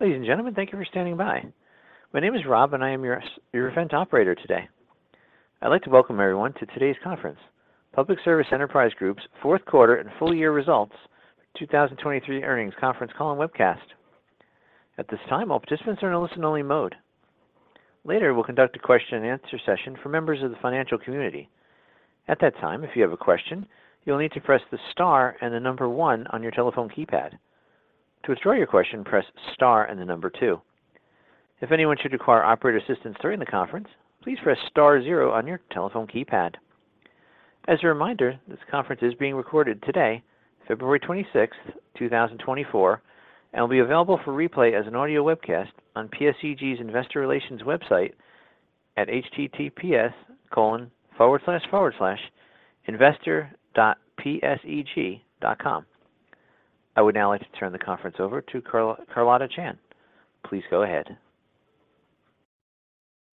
Ladies and gentlemen, thank you for standing by. My name is Rob, and I am your event operator today. I'd like to welcome everyone to today's conference, Public Service Enterprise Group's fourth quarter and full year results 2023 earnings conference call and webcast. At this time, all participants are in a listen-only mode. Later, we'll conduct a question-and-answer session for members of the financial community. At that time, if you have a question, you'll need to press the star and the number one on your telephone keypad. To withdraw your question, press star and the number two. If anyone should require operator assistance during the conference, please press star zero on your telephone keypad. As a reminder, this conference is being recorded today, February 26th, 2024, and will be available for replay as an audio webcast on PSEG's Investor Relations website at https://investor.pseg.com. I would now like to turn the conference over to Carlotta Chan. Please go ahead.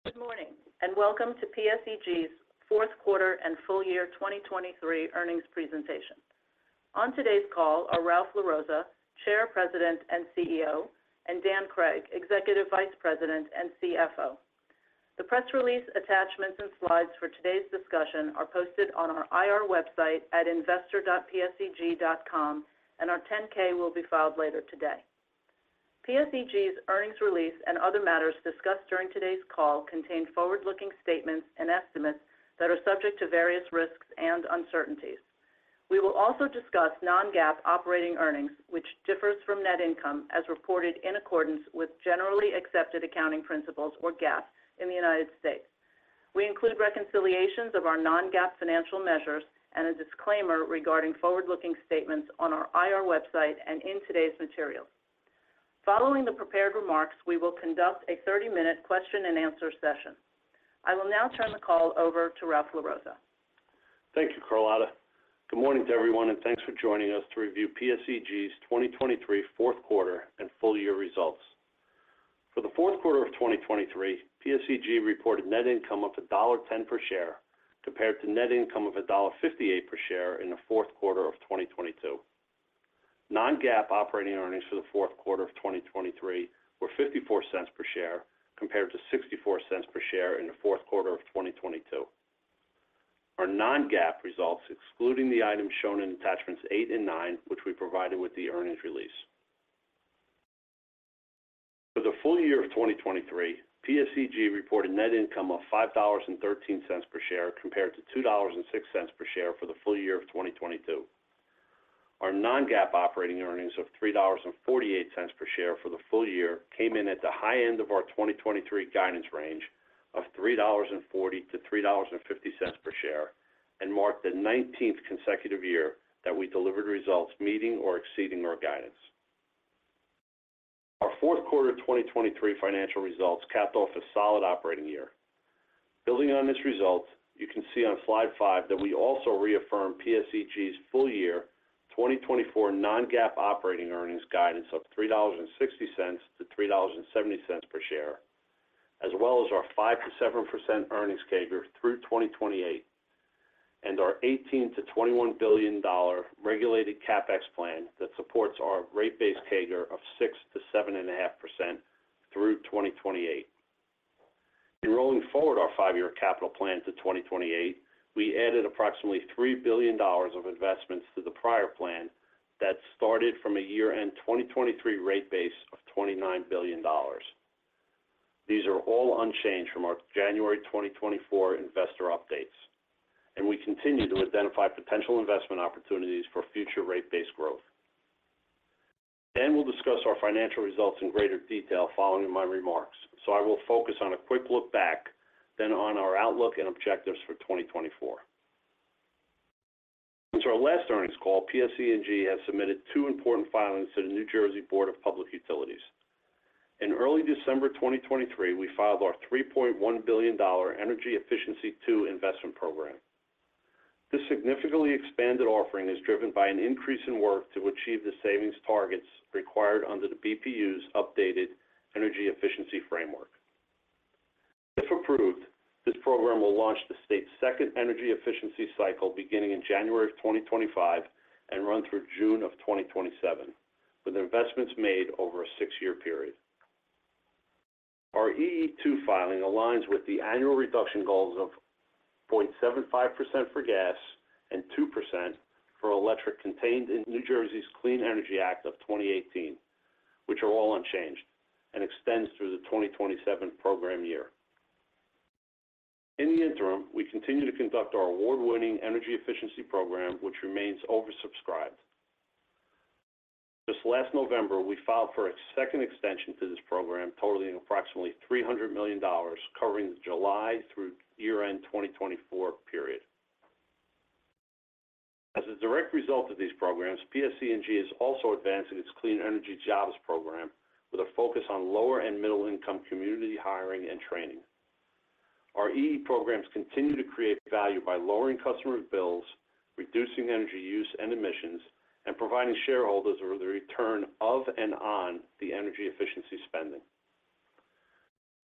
Good morning, and welcome to PSEG's Fourth Quarter and Full Year 2023 Earnings Presentation. On today's call are Ralph LaRossa, Chair, President, and CEO, and Dan Cregg, Executive Vice President and CFO. The press release, attachments, and slides for today's discussion are posted on our IR website at investor.pseg.com, and our 10-K will be filed later today. PSEG's earnings release and other matters discussed during today's call contain forward-looking statements and estimates that are subject to various risks and uncertainties. We will also discuss non-GAAP operating earnings, which differs from net income as reported in accordance with generally accepted accounting principles, or GAAP, in the United States. We include reconciliations of our non-GAAP financial measures and a disclaimer regarding forward-looking statements on our IR website and in today's materials. Following the prepared remarks, we will conduct a 30-minute question-and-answer session. I will now turn the call over to Ralph LaRossa. Thank you, Carlotta. Good morning to everyone, and thanks for joining us to review PSEG's 2023 fourth quarter and full year results. For the fourth quarter of 2023, PSEG reported net income of $1.10 per share compared to net income of $1.58 per share in the fourth quarter of 2022. Non-GAAP operating earnings for the fourth quarter of 2023 were $0.54 per share compared to $0.64 per share in the fourth quarter of 2022. Our non-GAAP results, excluding the items shown in attachments eight and nine, which we provided with the earnings release. For the full year of 2023, PSEG reported net income of $5.13 per share compared to $2.06 per share for the full year of 2022. Our non-GAAP operating earnings of $3.48 per share for the full year came in at the high end of our 2023 guidance range of $3.40-$3.50 per share and marked the 19th consecutive year that we delivered results meeting or exceeding our guidance. Our fourth quarter 2023 financial results capped off a solid operating year. Building on this result, you can see on slide five that we also reaffirm PSEG's full year 2024 non-GAAP operating earnings guidance of $3.60-$3.70 per share, as well as our 5%-7% earnings CAGR through 2028, and our $18 billion-$21 billion regulated CaPex plan that supports our Rate Base CAGR of 6%-7.5% through 2028. In rolling forward our five-year capital plan to 2028, we added approximately $3 billion of investments to the prior plan that started from a year-end 2023 rate base of $29 billion. These are all unchanged from our January 2024 investor updates, and we continue to identify potential investment opportunities for future Rate Base growth. Then we'll discuss our financial results in greater detail following my remarks, so I will focus on a quick look back, then on our outlook and objectives for 2024. Since our last earnings call, PSE&G has submitted two important filings to the New Jersey Board of Public Utilities. In early December 2023, we filed our $3.1 billion Energy Efficiency II investment program. This significantly expanded offering is driven by an increase in work to achieve the savings targets required under the BPU's updated energy efficiency framework. If approved, this program will launch the state's second energy efficiency cycle beginning in January of 2025 and run through June of 2027, with investments made over a six-year period. Our EE2 filing aligns with the annual reduction goals of 0.75% for gas and 2% for electric contained in New Jersey's Clean Energy Act of 2018, which are all unchanged and extends through the 2027 program year. In the interim, we continue to conduct our award-winning energy efficiency program, which remains oversubscribed. Just last November, we filed for a second extension to this program, totaling approximately $300 million, covering the July through year-end 2024 period. As a direct result of these programs, PSE&G is also advancing its Clean Energy Jobs program with a focus on lower and middle-income community hiring and training. Our EE programs continue to create value by lowering customer bills, reducing energy use and emissions, and providing shareholders with a return of and on the energy efficiency spending.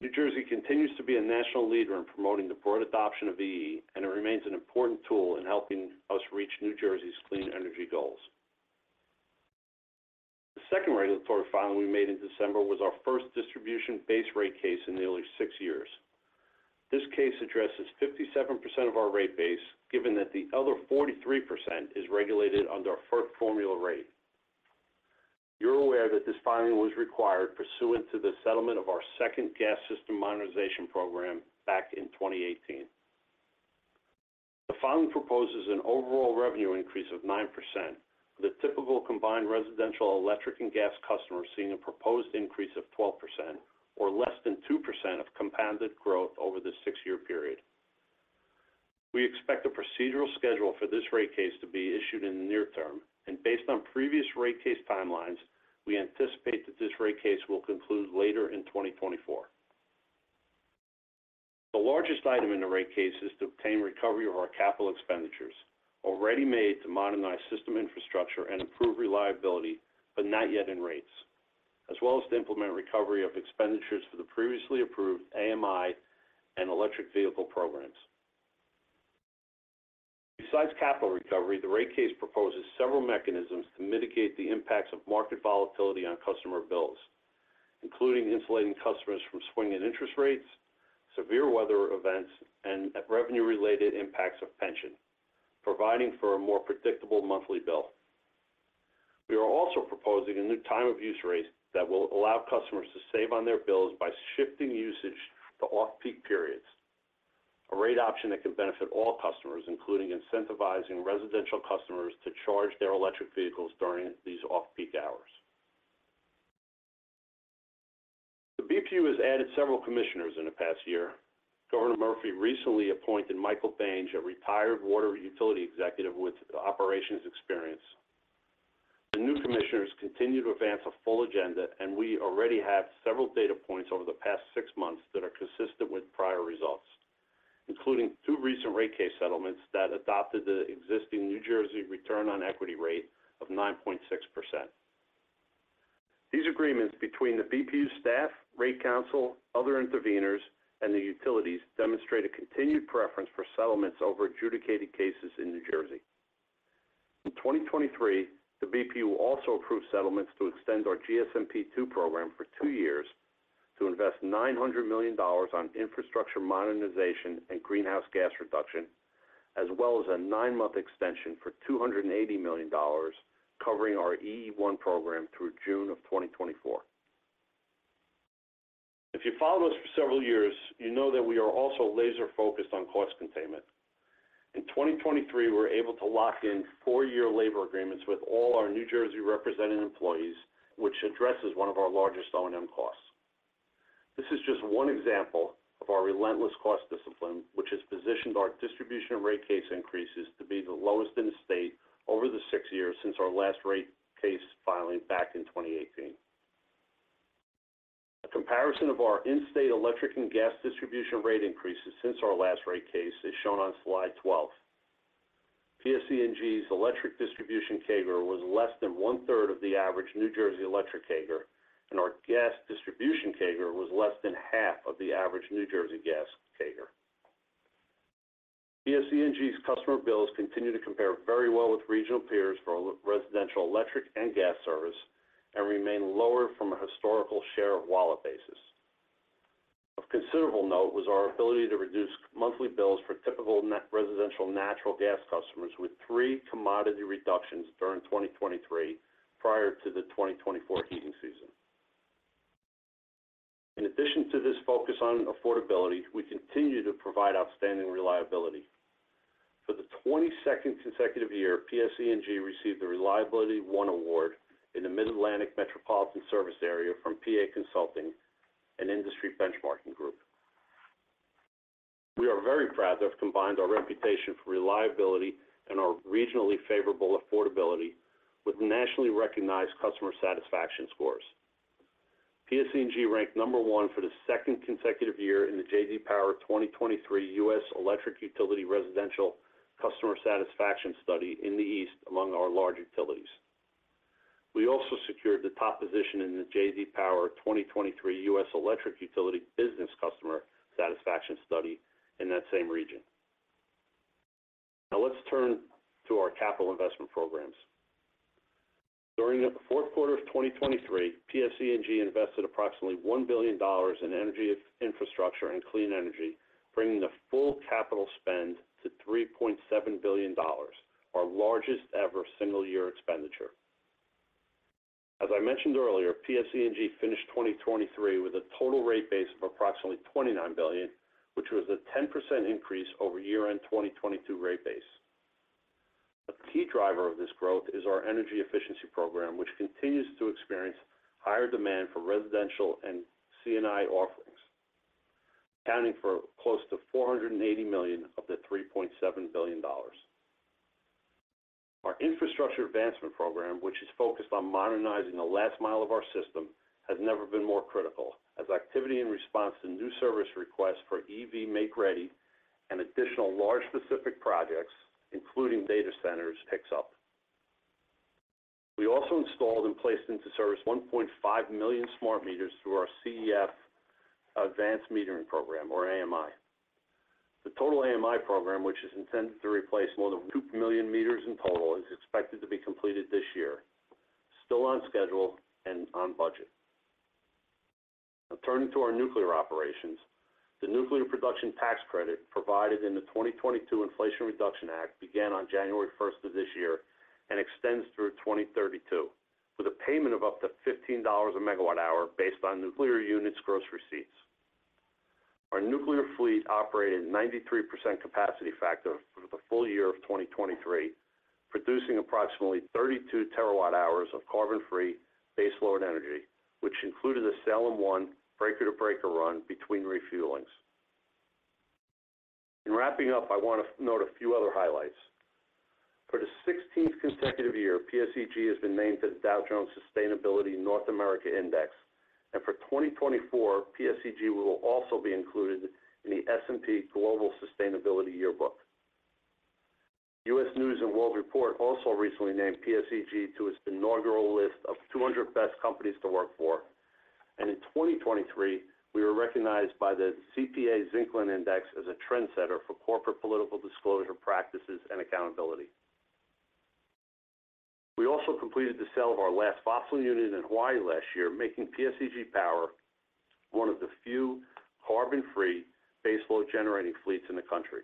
New Jersey continues to be a national leader in promoting the broad adoption of EE, and it remains an important tool in helping us reach New Jersey's clean energy goals. The second regulatory filing we made in December was our first distribution base rate case in nearly six years. This case addresses 57% of our rate base, given that the other 43% is regulated under our first formula rate. You're aware that this filing was required pursuant to the settlement of our second gas system modernization program back in 2018. The filing proposes an overall revenue increase of 9%, with a typical combined residential electric and gas customer seeing a proposed increase of 12% or less than 2% of compounded growth over the six-year period. We expect a procedural schedule for this rate case to be issued in the near term, and based on previous rate case timelines, we anticipate that this rate case will conclude later in 2024. The largest item in the rate case is to obtain recovery of our capital expenditures already made to modernize system infrastructure and improve reliability, but not yet in rates, as well as to implement recovery of expenditures for the previously approved AMI and electric vehicle programs. Besides capital recovery, the rate case proposes several mechanisms to mitigate the impacts of market volatility on customer bills, including insulating customers from swinging interest rates, severe weather events, and revenue-related impacts of pension, providing for a more predictable monthly bill. We are also proposing a new time-of-use rate that will allow customers to save on their bills by shifting usage to off-peak periods, a rate option that can benefit all customers, including incentivizing residential customers to charge their electric vehicles during these off-peak hours. The BPU has added several commissioners in the past year. Governor Murphy recently appointed Michael Bange, a retired water utility executive with operations experience. The new commissioners continue to advance a full agenda, and we already have several data points over the past six months that are consistent with prior results, including two recent rate case settlements that adopted the existing New Jersey return on equity rate of 9.6%. These agreements between the BPU staff, rate council, other intervenors, and the utilities demonstrate a continued preference for settlements over adjudicated cases in New Jersey. In 2023, the BPU also approved settlements to extend our GSMP II program for two years to invest $900 million on infrastructure modernization and greenhouse gas reduction, as well as a nine-month extension for $280 million covering our EE1 program through June of 2024. If you've followed us for several years, you know that we are also laser-focused on cost containment. In 2023, we were able to lock in four-year labor agreements with all our New Jersey-represented employees, which addresses one of our largest O&M costs. This is just one example of our relentless cost discipline, which has positioned our distribution rate case increases to be the lowest in the state over the six years since our last rate case filing back in 2018. A comparison of our in-state electric and gas distribution rate increases since our last rate case is shown on slide 12. PSE&G's electric distribution CAGR was less than 1/3 of the average New Jersey electric CAGR, and our gas distribution CAGR was less than half of the average New Jersey gas CAGR. PSE&G's customer bills continue to compare very well with regional peers for residential electric and gas service and remain lower from a historical share of wallet basis. Of considerable note was our ability to reduce monthly bills for typical residential natural gas customers with three commodity reductions during 2023 prior to the 2024 heating season. In addition to this focus on affordability, we continue to provide outstanding reliability. For the 22nd consecutive year, PSE&G received the Reliability One Award in the Mid-Atlantic Metropolitan Service Area from PA Consulting, an industry benchmarking group. We are very proud to have combined our reputation for reliability and our regionally favorable affordability with nationally recognized customer satisfaction scores. PSE&G ranked number one for the second consecutive year in the J.D. Power 2023 U.S. Electric Utility Residential Customer Satisfaction Study in the East among our large utilities. We also secured the top position in the J.D. Power 2023 U.S. Electric Utility Business Customer Satisfaction Study in that same region. Now, let's turn to our capital investment programs. During the fourth quarter of 2023, PSE&G invested approximately $1 billion in energy infrastructure and clean energy, bringing the full capital spend to $3.7 billion, our largest-ever single-year expenditure. As I mentioned earlier, PSE&G finished 2023 with a total rate base of approximately $29 billion, which was a 10% increase over year-end 2022 rate base. A key driver of this growth is our energy efficiency program, which continues to experience higher demand for residential and CNI offerings, accounting for close to $480 million of the $3.7 billion. Our infrastructure advancement program, which is focused on modernizing the last mile of our system, has never been more critical as activity in response to new service requests for EV make-ready and additional large-scale projects, including data centers, picks up. We also installed and placed into service 1.5 million smart meters through our CEF Advanced Metering Program, or AMI. The total AMI program, which is intended to replace more than 2 million meters in total, is expected to be completed this year, still on schedule and on budget. Now, turning to our nuclear operations, the nuclear production tax credit provided in the 2022 Inflation Reduction Act began on January 1st of this year and extends through 2032 with a payment of up to $15/MWh based on nuclear units' gross receipts. Our nuclear fleet operated 93% capacity factor for the full year of 2023, producing approximately 32 TWh of carbon-free base load energy, which included a Salem I breaker-to-breaker run between refuelings. In wrapping up, I want to note a few other highlights. For the 16th consecutive year, PSEG has been named to the Dow Jones Sustainability North America Index, and for 2024, PSEG will also be included in the S&P Global Sustainability Yearbook. U.S. News & World Report also recently named PSEG to its inaugural list of 200 best companies to work for, and in 2023, we were recognized by the CPA–Zicklin Index as a trendsetter for corporate political disclosure practices and accountability. We also completed the sale of our last fossil unit in Hawaii last year, making PSEG Power one of the few carbon-free base load generating fleets in the country.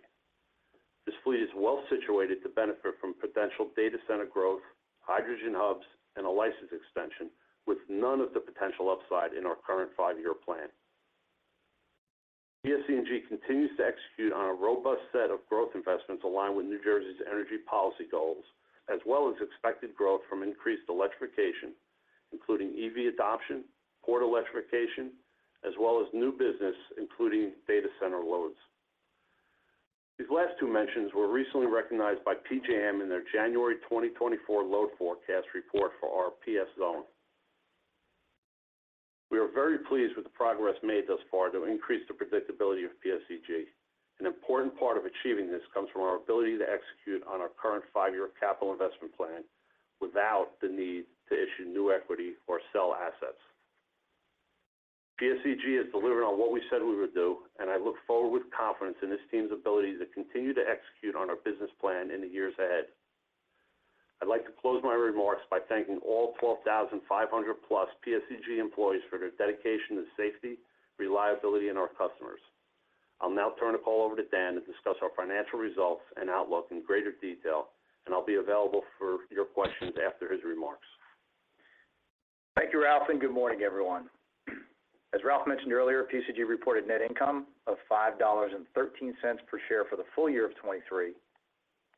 This fleet is well situated to benefit from potential data center growth, hydrogen hubs, and a license extension, with none of the potential upside in our current five-year plan. PSEG continues to execute on a robust set of growth investments aligned with New Jersey's energy policy goals, as well as expected growth from increased electrification, including EV adoption, port electrification, as well as new business, including data center loads. These last two mentions were recently recognized by PJM in their January 2024 load forecast report for our PS Zone. We are very pleased with the progress made thus far to increase the predictability of PSEG. An important part of achieving this comes from our ability to execute on our current five-year capital investment plan without the need to issue new equity or sell assets. PSEG is delivering on what we said we would do, and I look forward with confidence in this team's ability to continue to execute on our business plan in the years ahead. I'd like to close my remarks by thanking all 12,500+ PSEG employees for their dedication to safety, reliability, and our customers. I'll now turn the call over to Dan to discuss our financial results and outlook in greater detail, and I'll be available for your questions after his remarks. Thank you, Ralph, and good morning, everyone. As Ralph mentioned earlier, PSEG reported net income of $5.13 per share for the full year of 2023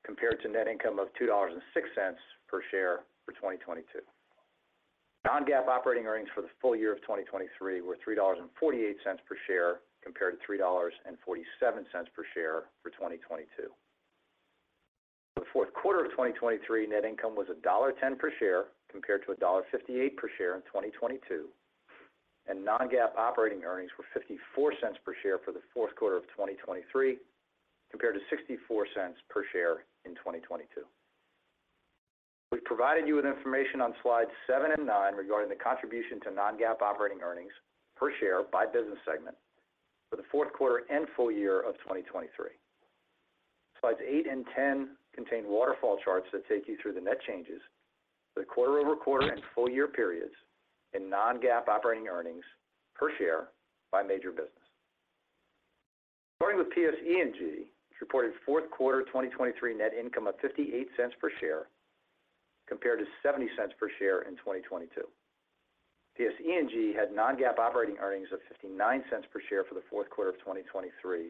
compared to net income of $2.06 per share for 2022. Non-GAAP operating earnings for the full year of 2023 were $3.48 per share compared to $3.47 per share for 2022. For the fourth quarter of 2023, net income was $1.10 per share compared to $1.58 per share in 2022, and non-GAAP operating earnings were $0.54 per share for the fourth quarter of 2023 compared to $0.64 per share in 2022. We've provided you with information on slides seven and nine regarding the contribution to non-GAAP operating earnings per share by business segment for the fourth quarter and full year of 2023. Slides eight and 10 contain waterfall charts that take you through the net changes for the quarter-over-quarter and full-year periods in non-GAAP operating earnings per share by major business. Starting with PSE&G, it reported fourth quarter 2023 net income of $0.58 per share compared to $0.70 per share in 2022. PSE&G had non-GAAP operating earnings of $0.59 per share for the fourth quarter of 2023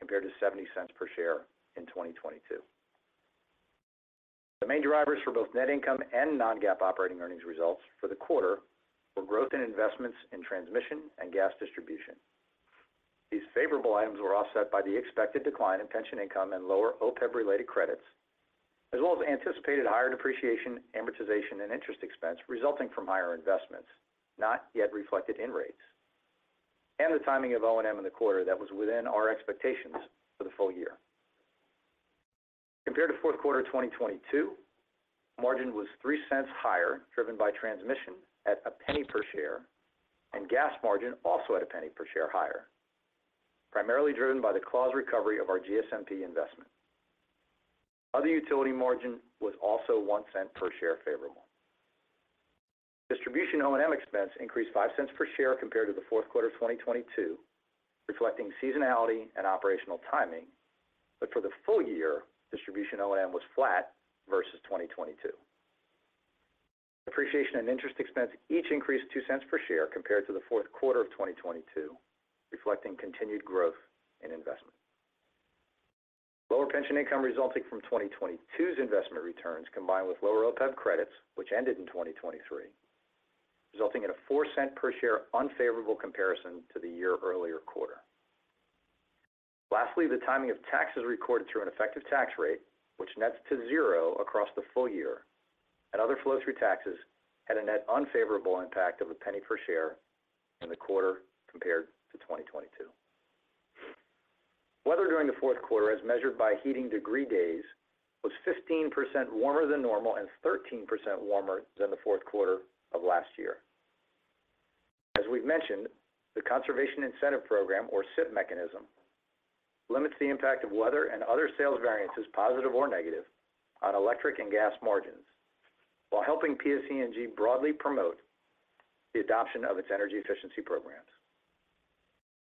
compared to $0.70 per share in 2022. The main drivers for both net income and non-GAAP operating earnings results for the quarter were growth in investments in transmission and gas distribution. These favorable items were offset by the expected decline in pension income and lower OPEB-related credits, as well as anticipated higher depreciation, amortization, and interest expense resulting from higher investments, not yet reflected in rates, and the timing of O&M in the quarter that was within our expectations for the full year. Compared to fourth quarter 2022, margin was $0.03 higher, driven by transmission at $0.01 per share, and gas margin also at $0.01 per share higher, primarily driven by the clause recovery of our GSMP investment. Other utility margin was also $0.01 per share favorable. Distribution O&M expense increased $0.05 per share compared to the fourth quarter of 2022, reflecting seasonality and operational timing, but for the full year, distribution O&M was flat versus 2022. Depreciation and interest expense each increased $0.02 per share compared to the fourth quarter of 2022, reflecting continued growth in investment. Lower pension income resulting from 2022's investment returns combined with lower OPEB credits, which ended in 2023, resulting in a $0.04 per share unfavorable comparison to the year-earlier quarter. Lastly, the timing of taxes recorded through an effective tax rate, which nets to zero across the full year, and other flow-through taxes had a net unfavorable impact of $0.01 per share in the quarter compared to 2022. Weather during the fourth quarter, as measured by heating degree days, was 15% warmer than normal and 13% warmer than the fourth quarter of last year. As we've mentioned, the Conservation Incentive Program, or CIP mechanism, limits the impact of weather and other sales variances, positive or negative, on electric and gas margins while helping PSE&G broadly promote the adoption of its energy efficiency programs.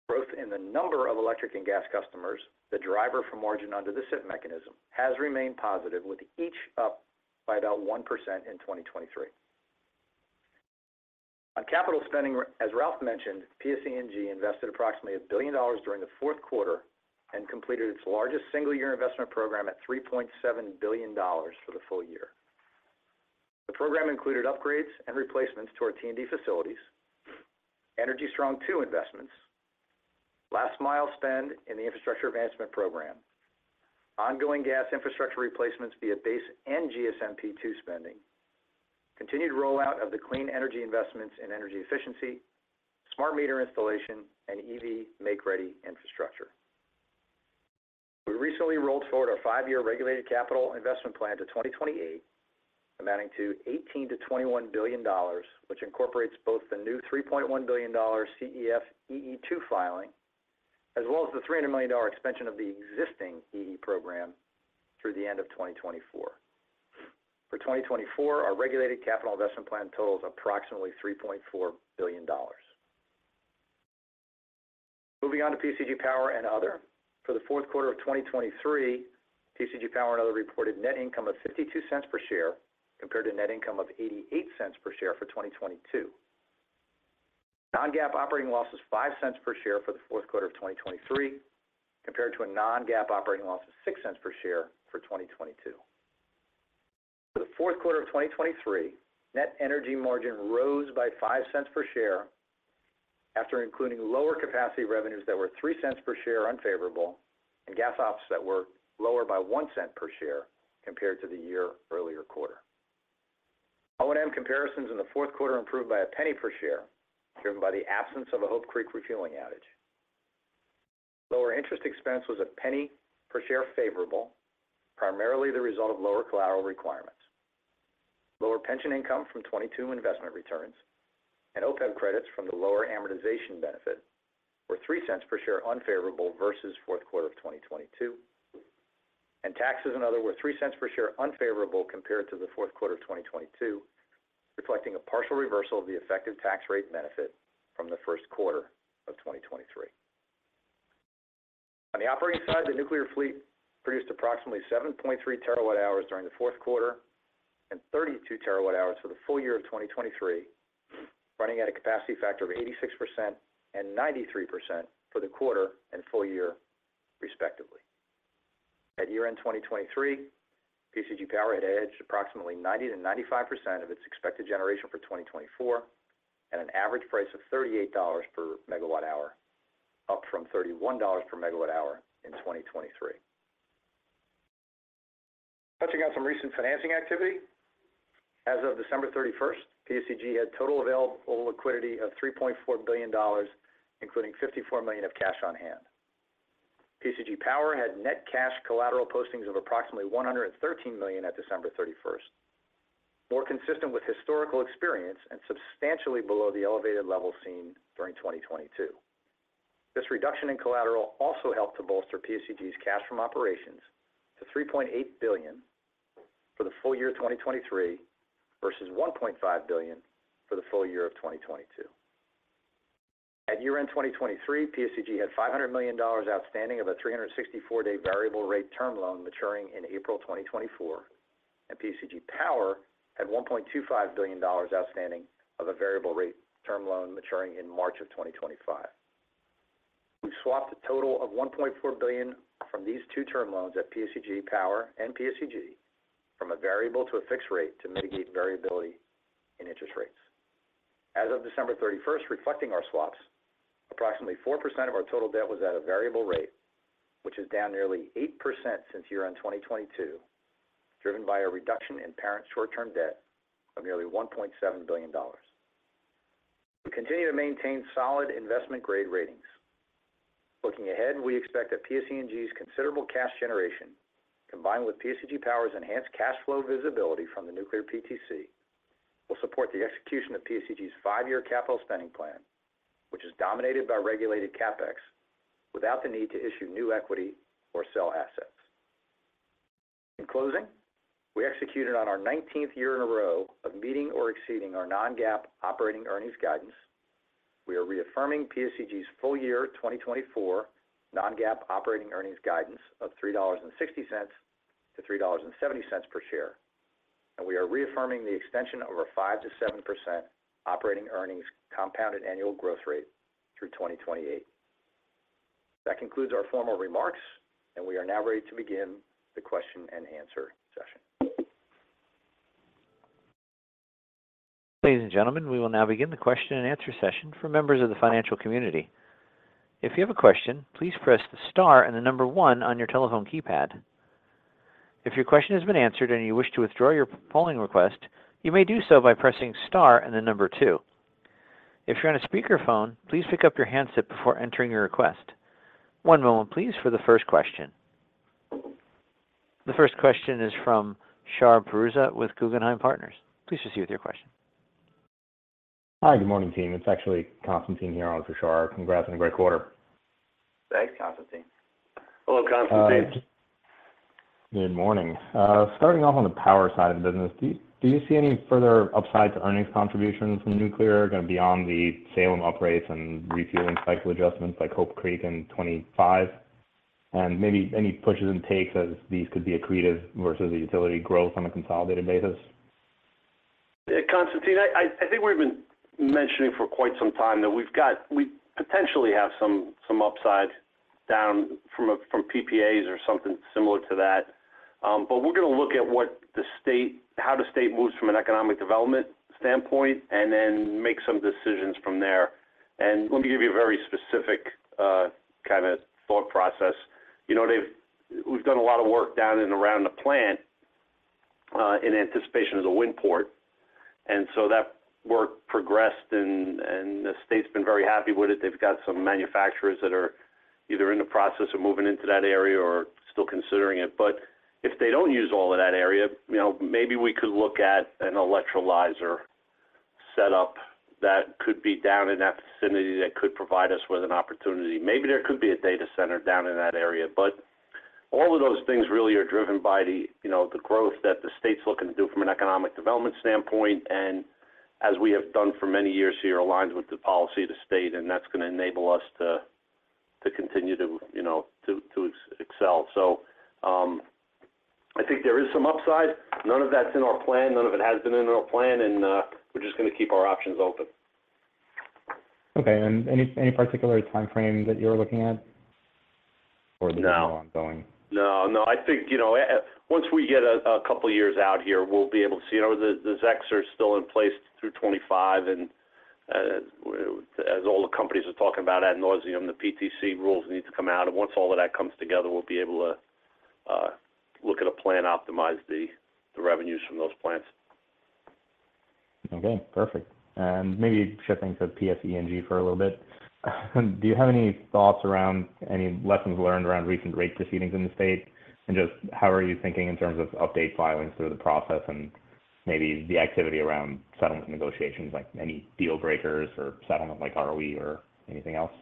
Growth in the number of electric and gas customers, the driver for margin under the CIP mechanism, has remained positive, with each up by about 1% in 2023. On capital spending, as Ralph mentioned, PSE&G invested approximately $1 billion during the fourth quarter and completed its largest single-year investment program at $3.7 billion for the full year. The program included upgrades and replacements to our T&D facilities, Energy Strong II investments, last-mile spend in the infrastructure advancement program, ongoing gas infrastructure replacements via base and GSMP II spending, continued rollout of the clean energy investments in energy efficiency, smart meter installation, and EV make-ready infrastructure. We recently rolled forward our five-year regulated capital investment plan to 2028, amounting to $18 billion-$21 billion, which incorporates both the new $3.1 billion CEF EE2 filing, as well as the $300 million expansion of the existing EE program through the end of 2024. For 2024, our regulated capital investment plan totals approximately $3.4 billion. Moving on to PSEG Power and Other, for the fourth quarter of 2023, PSEG Power and Other reported net income of $0.52 per share compared to net income of $0.88 per share for 2022. Non-GAAP operating loss was $0.05 per share for the fourth quarter of 2023 compared to a non-GAAP operating loss of $0.06 per share for 2022. For the fourth quarter of 2023, net energy margin rose by $0.05 per share after including lower capacity revenues that were $0.03 per share unfavorable and gas offsets that were lower by $0.01 per share compared to the year-earlier quarter. O&M comparisons in the fourth quarter improved by $0.01 per share driven by the absence of a Hope Creek refueling outage. Lower interest expense was $0.01 per share favorable, primarily the result of lower collateral requirements. Lower pension income from 2022 investment returns and OPEB credits from the lower amortization benefit were $0.03 per share unfavorable versus fourth quarter of 2022, and taxes and other were $0.03 per share unfavorable compared to the fourth quarter of 2022, reflecting a partial reversal of the effective tax rate benefit from the first quarter of 2023. On the operating side, the nuclear fleet produced approximately 7.3 TWh during the fourth quarter and 32 TWh for the full year of 2023, running at a capacity factor of 86% and 93% for the quarter and full year, respectively. At year-end 2023, PSEG Power had hedged approximately 90%-95% of its expected generation for 2024 at an average price of $38 per MWh, up from $31 per MWh in 2023. Touching on some recent financing activity, as of December 31st, PSEG had total available liquidity of $3.4 billion, including $54 million of cash on hand. PSEG Power had net cash collateral postings of approximately $113 million at December 31st, more consistent with historical experience and substantially below the elevated level seen during 2022. This reduction in collateral also helped to bolster PSEG's cash from operations to $3.8 billion for the full year of 2023 versus $1.5 billion for the full year of 2022. At year-end 2023, PSEG had $500 million outstanding of a 364-day variable rate term loan maturing in April 2024, and PSEG Power had $1.25 billion outstanding of a variable rate term loan maturing in March of 2025. We've swapped a total of $1.4 billion from these two term loans at PSEG Power and PSEG from a variable to a fixed rate to mitigate variability in interest rates. As of December 31st, reflecting our swaps, approximately 4% of our total debt was at a variable rate, which is down nearly 8% since year-end 2022, driven by a reduction in parent short-term debt of nearly $1.7 billion. We continue to maintain solid investment-grade ratings. Looking ahead, we expect that PSE&G's considerable cash generation, combined with PSEG Power's enhanced cash flow visibility from the nuclear PTC, will support the execution of PSEG's five-year capital spending plan, which is dominated by regulated capex without the need to issue new equity or sell assets. In closing, we executed on our 19th year in a row of meeting or exceeding our non-GAAP operating earnings guidance. We are reaffirming PSEG's full year 2024 non-GAAP operating earnings guidance of $3.60-$3.70 per share, and we are reaffirming the extension of our 5%-7% operating earnings compounded annual growth rate through 2028. That concludes our formal remarks, and we are now ready to begin the question-and-answer session. Ladies and gentlemen, we will now begin the question-and-answer session for members of the financial community. If you have a question, please press the star and the number one on your telephone keypad. If your question has been answered and you wish to withdraw your polling request, you may do so by pressing star and the number two. If you're on a speakerphone, please pick up your handset before entering your request. One moment, please, for the first question. The first question is from Shar Pourreza with Guggenheim Partners. Please proceed with your question. Hi, good morning, team. It's actually Constantine here on for Shar. Congrats on a great quarter. Thanks, Constantine. Hello, Constantine. Good morning. Starting off on the power side of the business, do you see any further upside to earnings contributions from nuclear going beyond the Salem upgrades and refueling cycle adjustments like Hope Creek in 2025, and maybe any pushes and takes as these could be accretive versus the utility growth on a consolidated basis? Constantine, I think we've been mentioning for quite some time that we potentially have some upside down from PPAs or something similar to that, but we're going to look at how the state moves from an economic development standpoint and then make some decisions from there. And let me give you a very specific kind of thought process. We've done a lot of work down and around the plant in anticipation of the wind port, and so that work progressed, and the state's been very happy with it. They've got some manufacturers that are either in the process of moving into that area or still considering it. But if they don't use all of that area, maybe we could look at an electrolyzer setup that could be down in that vicinity that could provide us with an opportunity. Maybe there could be a data center down in that area, but all of those things really are driven by the growth that the state's looking to do from an economic development standpoint, and as we have done for many years here, aligns with the policy of the state, and that's going to enable us to continue to excel. So I think there is some upside. None of that's in our plan. None of it has been in our plan, and we're just going to keep our options open. Okay. Any particular timeframe that you're looking at for the ongoing? No. No. No. I think once we get a couple of years out here, we'll be able to see the ZECs are still in place through 2025, and as all the companies are talking about at Nosium, the PTC rules need to come out. Once all of that comes together, we'll be able to look at a plan to optimize the revenues from those plants. Okay. Perfect. Maybe shifting to PSE&G for a little bit, do you have any thoughts around any lessons learned around recent rate proceedings in the state, and just how are you thinking in terms of update filings through the process and maybe the activity around settlement negotiations, like any deal breakers or settlement like ROE or anything else?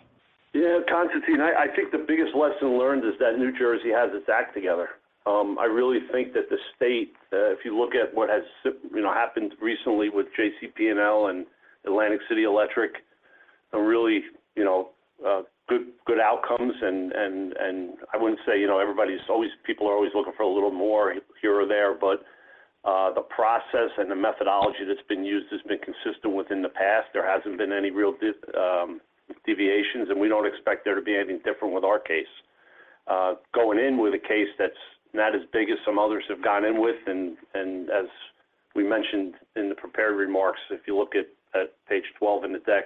Yeah, Constantine, I think the biggest lesson learned is that New Jersey has its act together. I really think that the state, if you look at what has happened recently with JCP&L and Atlantic City Electric, really good outcomes. And I wouldn't say everybody's always people are always looking for a little more here or there, but the process and the methodology that's been used has been consistent within the past. There hasn't been any real deviations, and we don't expect there to be anything different with our case. Going in with a case that's not as big as some others have gone in with, and as we mentioned in the prepared remarks, if you look at page 12 in the deck,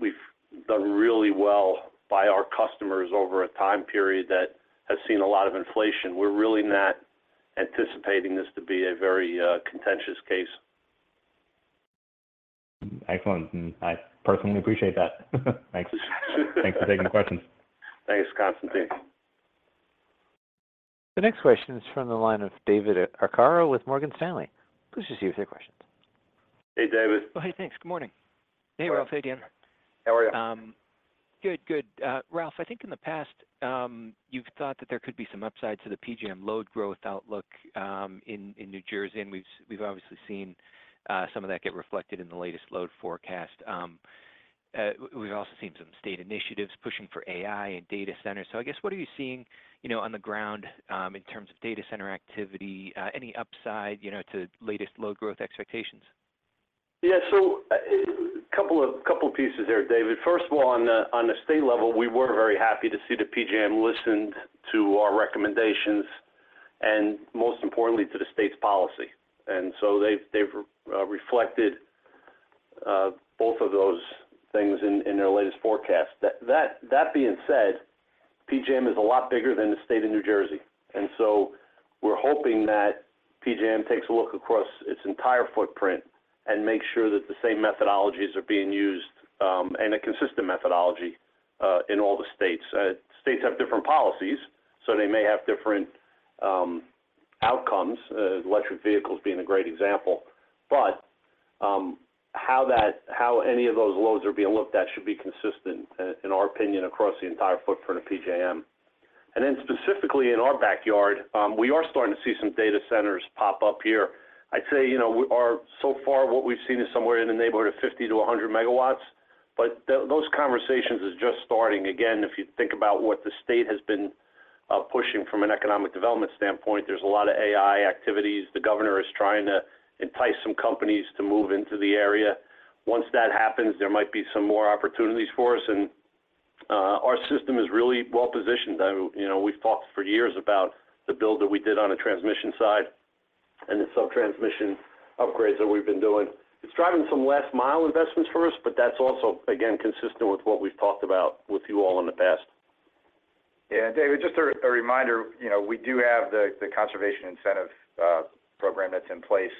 we've done really well by our customers over a time period that has seen a lot of inflation. We're really not anticipating this to be a very contentious case. Excellent. I personally appreciate that. Thanks for taking the questions. Thanks, Constantine. The next question is from the line of David Arcaro with Morgan Stanley. Please proceed with your questions. Hey, David. Oh, hey. Thanks. Good morning. Hey, Ralph. Hey, Dan. How are you? Good. Good. Ralph, I think in the past, you've thought that there could be some upside to the PJM load growth outlook in New Jersey, and we've obviously seen some of that get reflected in the latest load forecast. We've also seen some state initiatives pushing for AI and data centers. So I guess what are you seeing on the ground in terms of data center activity, any upside to latest load growth expectations? Yeah. So a couple of pieces there, David. First of all, on the state level, we were very happy to see the PJM listened to our recommendations and, most importantly, to the state's policy. So they've reflected both of those things in their latest forecast. That being said, PJM is a lot bigger than the state of New Jersey, and so we're hoping that PJM takes a look across its entire footprint and makes sure that the same methodologies are being used and a consistent methodology in all the states. States have different policies, so they may have different outcomes, electric vehicles being a great example, but how any of those loads are being looked at should be consistent, in our opinion, across the entire footprint of PJM. Then specifically in our backyard, we are starting to see some data centers pop up here. I'd say so far, what we've seen is somewhere in the neighborhood of 50 MW-100 MW, but those conversations are just starting. Again, if you think about what the state has been pushing from an economic development standpoint, there's a lot of AI activities. The governor is trying to entice some companies to move into the area. Once that happens, there might be some more opportunities for us, and our system is really well-positioned. We've talked for years about the build that we did on the transmission side and the subtransmission upgrades that we've been doing. It's driving some last-mile investments for us, but that's also, again, consistent with what we've talked about with you all in the past. Yeah. David, just a reminder, we do have the conservation incentive program that's in place,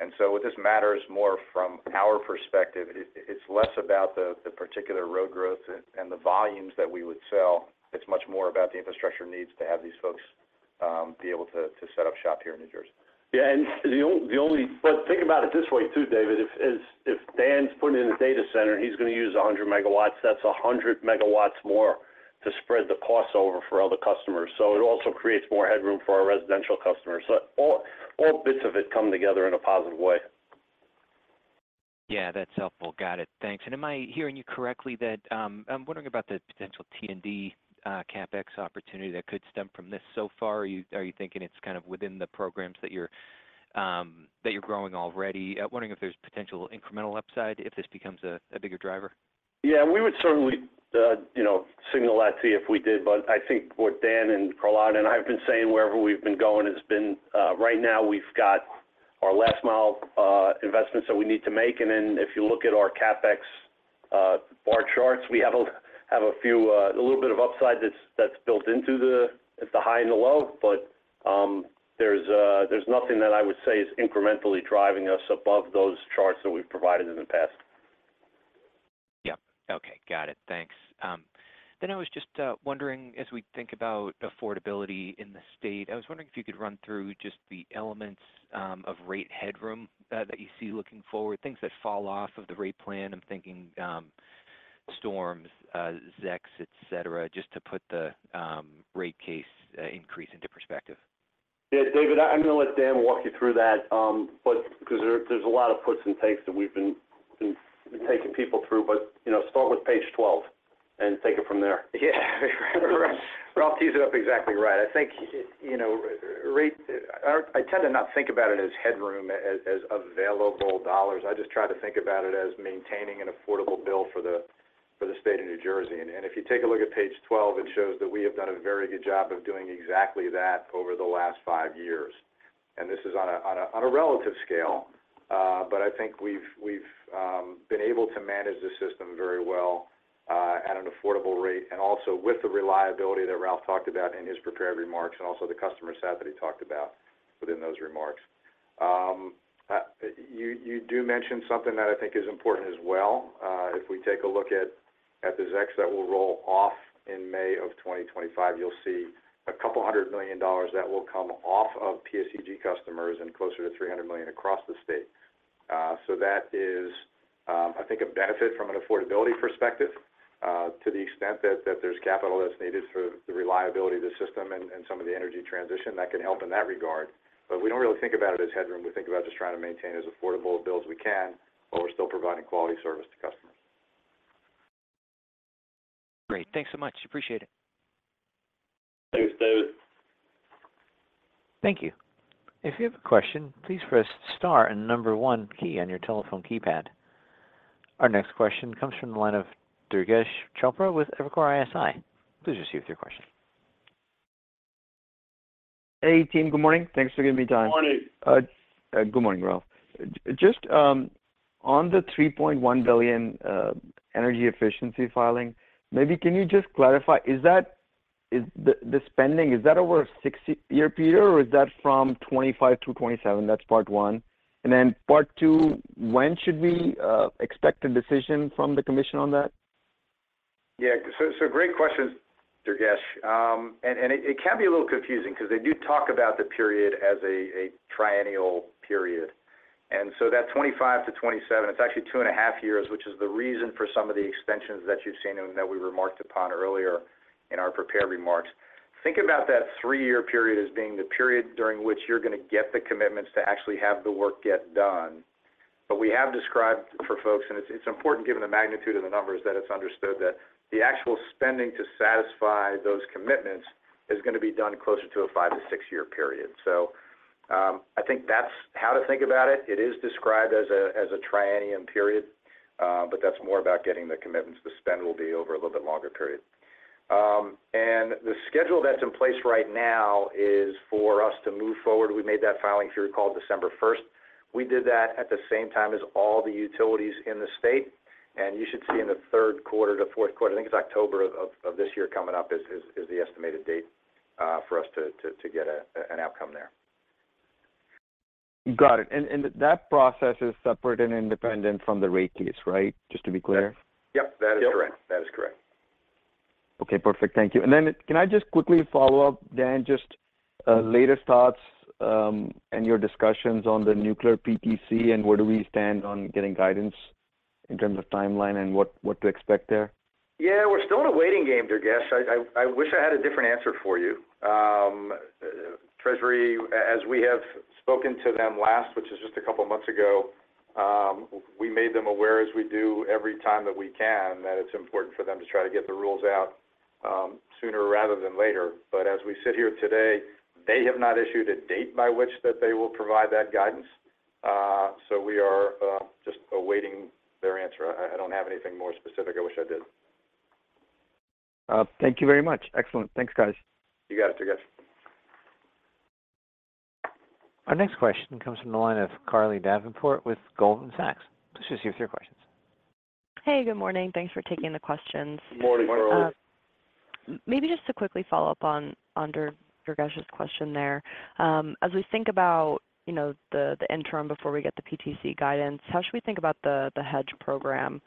and so what this matters more from our perspective, it's less about the particular load growth and the volumes that we would sell. It's much more about the infrastructure needs to have these folks be able to set up shop here in New Jersey. Yeah. And not only, but think about it this way too, David. If Dan's putting in a data center and he's going to use 100 MW, that's 100 MW more to spread the cost over for other customers, so it also creates more headroom for our residential customers. So all of it comes together in a positive way. Yeah. That's helpful. Got it. Thanks. And am I hearing you correctly that I'm wondering about the potential T&D CapEx opportunity that could stem from this so far. Are you thinking it's kind of within the programs that you're growing already? Wondering if there's potential incremental upside if this becomes a bigger driver. Yeah. We would certainly signal that to you if we did, but I think what Dan and Carlotta and I have been saying wherever we've been going has been right now, we've got our last-mile investments that we need to make, and then if you look at our CapEx bar charts, we have a few a little bit of upside that's built into the high and the low, but there's nothing that I would say is incrementally driving us above those charts that we've provided in the past. Yep. Okay. Got it. Thanks. Then I was just wondering, as we think about affordability in the state, I was wondering if you could run through just the elements of rate headroom that you see looking forward, things that fall off of the rate plan. I'm thinking storms, ZECs, etc., just to put the rate case increase into perspective. Yeah. David, I'm going to let Dan walk you through that because there's a lot of puts and takes that we've been taking people through, but start with page 12 and take it from there. Yeah. Ralph teed it up exactly right. I think, I tend to not think about it as headroom, as available dollars. I just try to think about it as maintaining an affordable bill for the state of New Jersey. If you take a look at page 12, it shows that we have done a very good job of doing exactly that over the last five years, and this is on a relative scale, but I think we've been able to manage the system very well at an affordable rate and also with the reliability that Ralph talked about in his prepared remarks and also the customer sat that he talked about within those remarks. You do mention something that I think is important as well. If we take a look at the ZECs that will roll off in May of 2025, you'll see $200 million that will come off of PSEG customers and closer to $300 million across the state. So that is, I think, a benefit from an affordability perspective to the extent that there's capital that's needed for the reliability of the system and some of the energy transition that can help in that regard, but we don't really think about it as headroom. We think about just trying to maintain as affordable bills we can while we're still providing quality service to customers. Great. Thanks so much. Appreciate it. Thanks, David. Thank you. If you have a question, please press star and number one key on your telephone keypad. Our next question comes from the line of Durgesh Chopra with Evercore ISI. Please proceed with your question. Hey, team. Good morning. Thanks for giving me time. Good morning. Good morning, Ralph. Just on the $3.1 billion energy efficiency filing, maybe can you just clarify, is that the spending, is that over a 60-year period, or is that from 2025 through 2027? That's part one. And then part two, when should we expect a decision from the commission on that? Yeah. So great questions, Durgesh. And it can be a little confusing because they do talk about the period as a triennial period, and so that 2025 to 2027, it's actually two and a half years, which is the reason for some of the extensions that you've seen and that we remarked upon earlier in our prepared remarks. Think about that three-year period as being the period during which you're going to get the commitments to actually have the work get done. But we have described for folks, and it's important given the magnitude of the numbers, that it's understood that the actual spending to satisfy those commitments is going to be done closer to a five-six-year period. So I think that's how to think about it. It is described as a triennial period, but that's more about getting the commitments. The spend will be over a little bit longer period. And the schedule that's in place right now is for us to move forward. We made that filing if you recall December 1st. We did that at the same time as all the utilities in the state, and you should see in the third quarter to fourth quarter, I think it's October of this year coming up, is the estimated date for us to get an outcome there. Got it. And that process is separate and independent from the rate case, right, just to be clear? Yep. That is correct. That is correct. Okay. Perfect. Thank you. And then can I just quickly follow up, Dan, just latest thoughts and your discussions on the nuclear PTC and where do we stand on getting guidance in terms of timeline and what to expect there? Yeah. We're still in a waiting game, Durgesh. I wish I had a different answer for you. Treasury, as we have spoken to them last, which is just a couple of months ago, we made them aware, as we do every time that we can, that it's important for them to try to get the rules out sooner rather than later. But as we sit here today, they have not issued a date by which that they will provide that guidance, so we are just awaiting their answer. I don't have anything more specific. I wish I did. Thank you very much. Excellent. Thanks, guys. You got it, Durgesh. Our next question comes from the line of Carly Davenport with Goldman Sachs. Please proceed with your questions. Hey. Good morning. Thanks for taking the questions. Good morning, Carly. Maybe just to quickly follow up on Durgesh's question there, as we think about the interim before we get the PTC guidance, how should we think about the hedge program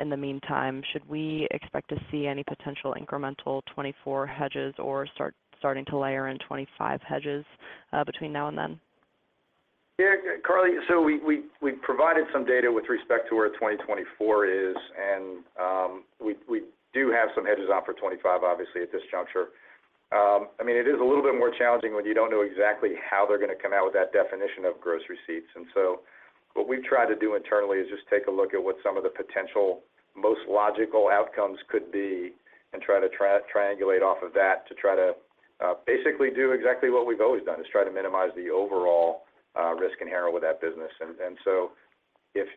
in the meantime? Should we expect to see any potential incremental 2024 hedges or starting to layer in 2025 hedges between now and then? Yeah. Carly, so we've provided some data with respect to where 2024 is, and we do have some hedges on for 2025, obviously, at this juncture. I mean, it is a little bit more challenging when you don't know exactly how they're going to come out with that definition of gross receipts. And so what we've tried to do internally is just take a look at what some of the potential most logical outcomes could be and try to triangulate off of that to try to basically do exactly what we've always done, is try to minimize the overall risk inherent with that business. And so if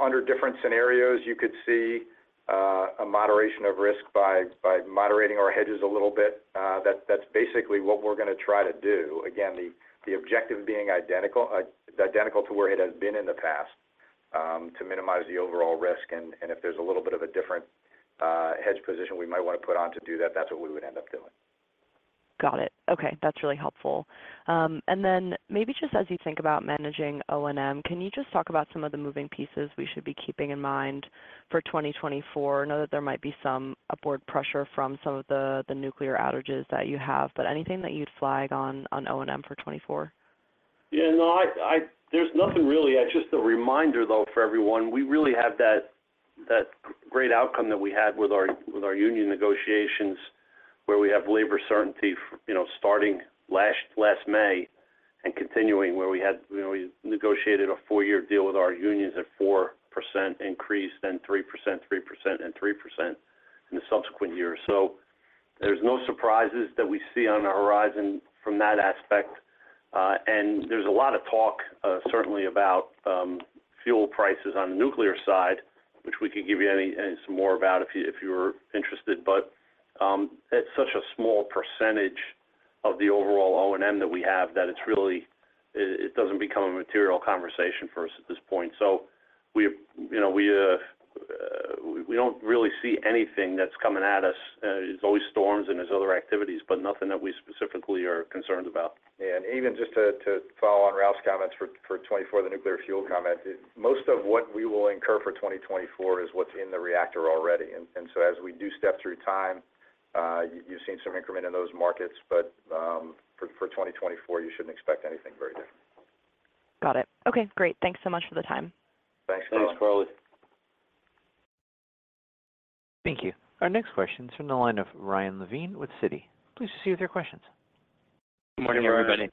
under different scenarios, you could see a moderation of risk by moderating our hedges a little bit, that's basically what we're going to try to do. Again, the objective being identical to where it has been in the past to minimize the overall risk, and if there's a little bit of a different hedge position we might want to put on to do that, that's what we would end up doing. Got it. Okay. That's really helpful. And then maybe just as you think about managing O&M, can you just talk about some of the moving pieces we should be keeping in mind for 2024? I know that there might be some upward pressure from some of the nuclear outages that you have, but anything that you'd flag on O&M for 2024? Yeah. No. There's nothing really. Just a reminder, though, for everyone, we really have that great outcome that we had with our union negotiations where we have labor certainty starting last May and continuing where we had negotiated a four-year deal with our unions at 4% increase, then 3%, 3%, and 3% in the subsequent years. So there's no surprises that we see on the horizon from that aspect, and there's a lot of talk, certainly, about fuel prices on the nuclear side, which we could give you some more about if you were interested, but it's such a small percentage of the overall O&M that we have that it doesn't become a material conversation for us at this point. So we don't really see anything that's coming at us. It's always storms and there's other activities, but nothing that we specifically are concerned about. Yeah. Even just to follow on Ralph's comments for 2024, the nuclear fuel comment, most of what we will incur for 2024 is what's in the reactor already. And so as we do step through time, you've seen some increment in those markets, but for 2024, you shouldn't expect anything very different. Got it. Okay. Great. Thanks so much for the time. Thanks, Carly. Thanks, Carly. Thank you. Our next question's from the line of Ryan Levine with Citi. Please proceed with your questions. Good morning, everybody.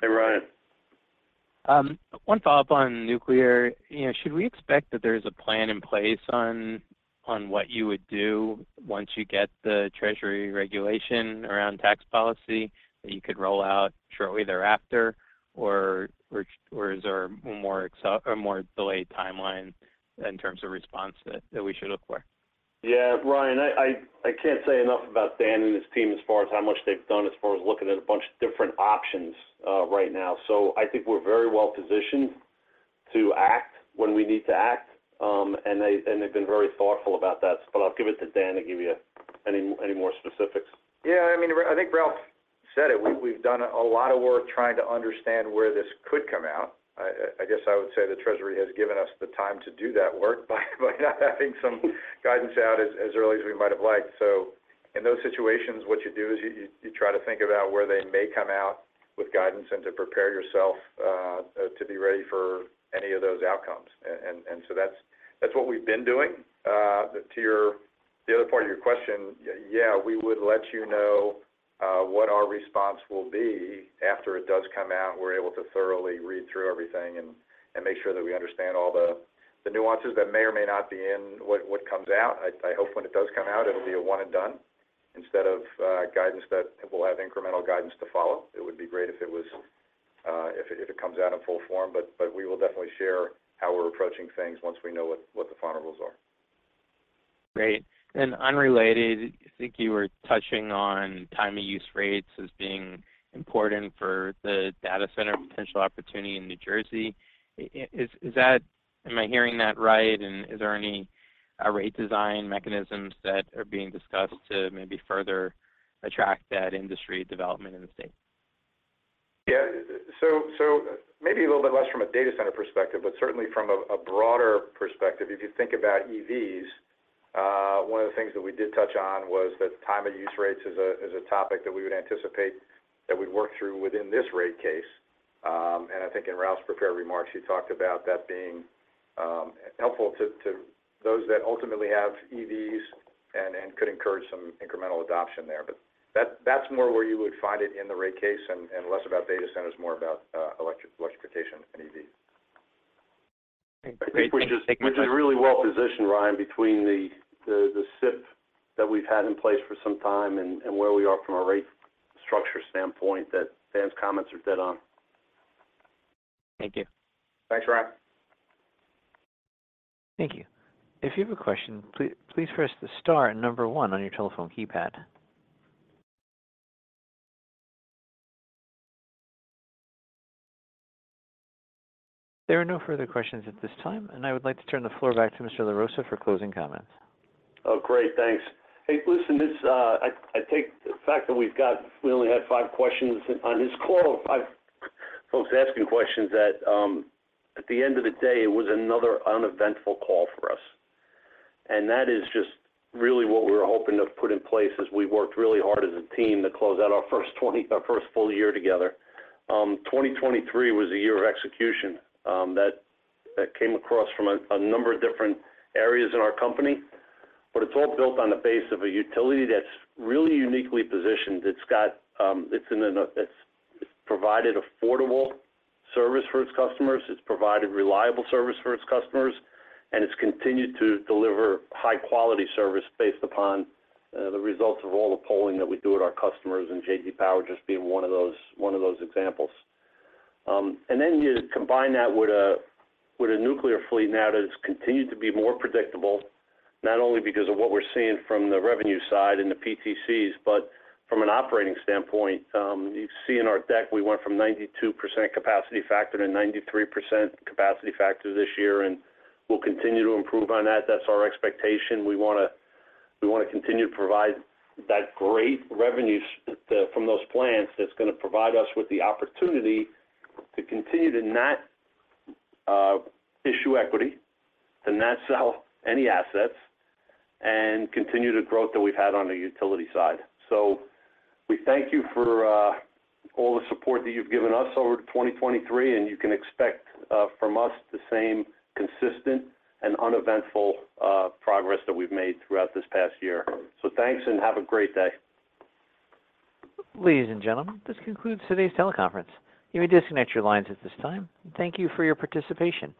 Hey, Ryan. One follow-up on nuclear. Should we expect that there's a plan in place on what you would do once you get the Treasury regulation around tax policy that you could roll out shortly thereafter, or is there a more delayed timeline in terms of response that we should look for? Yeah. Ryan, I can't say enough about Dan and his team as far as how much they've done as far as looking at a bunch of different options right now. So I think we're very well-positioned to act when we need to act, and they've been very thoughtful about that. But I'll give it to Dan to give you any more specifics. Yeah. I mean, I think Ralph said it. We've done a lot of work trying to understand where this could come out. I guess I would say the Treasury has given us the time to do that work by not having some guidance out as early as we might have liked. So in those situations, what you do is you try to think about where they may come out with guidance and to prepare yourself to be ready for any of those outcomes. That's what we've been doing. The other part of your question, yeah, we would let you know what our response will be after it does come out. We're able to thoroughly read through everything and make sure that we understand all the nuances that may or may not be in what comes out. I hope when it does come out, it'll be a one-and-done instead of guidance that we'll have incremental guidance to follow. It would be great if it comes out in full form, but we will definitely share how we're approaching things once we know what the variables are. Great. And unrelated, I think you were touching on timely use rates as being important for the data center potential opportunity in New Jersey. Am I hearing that right, and is there any rate design mechanisms that are being discussed to maybe further attract that industry development in the state? Yeah. So maybe a little bit less from a data center perspective, but certainly from a broader perspective, if you think about EVs, one of the things that we did touch on was that time-of-use rates is a topic that we would anticipate that we'd work through within this rate case. And I think in Ralph's prepared remarks, he talked about that being helpful to those that ultimately have EVs and could encourage some incremental adoption there. But that's more where you would find it in the rate case and less about data centers, more about electrification and EVs. Great. Thank you. I think we're just really well-positioned, Ryan, between the CIP that we've had in place for some time and where we are from a rate structure standpoint. That Dan's comments are dead on. Thank you. Thanks, Ryan. Thank you. If you have a question, please press the star and number one on your telephone keypad. There are no further questions at this time, and I would like to turn the floor back to Mr. LaRossa for closing comments. Oh, great. Thanks. Hey, listen, I take the fact that we only had five questions on his call of five folks asking questions that at the end of the day, it was another uneventful call for us, and that is just really what we were hoping to put in place as we worked really hard as a team to close out our first full year together. 2023 was a year of execution that came across from a number of different areas in our company, but it's all built on the base of a utility that's really uniquely positioned. It's provided affordable service for its customers. It's provided reliable service for its customers, and it's continued to deliver high-quality service based upon the results of all the polling that we do at our customers and J.D. Power just being one of those examples. And then you combine that with a nuclear fleet now that has continued to be more predictable, not only because of what we're seeing from the revenue side and the PTCs, but from an operating standpoint, you see in our deck, we went from 92% capacity factor to 93% capacity factor this year, and we'll continue to improve on that. That's our expectation. We want to continue to provide that great revenue from those plants that's going to provide us with the opportunity to continue to not issue equity, to not sell any assets, and continue the growth that we've had on the utility side. So we thank you for all the support that you've given us over to 2023, and you can expect from us the same consistent and uneventful progress that we've made throughout this past year. So thanks, and have a great day. Ladies and gentlemen, this concludes today's teleconference. You may disconnect your lines at this time. Thank you for your participation.